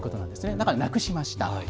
だからなくしました。